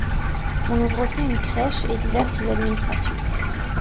On ouvre aussi une crèche et diverses administrations.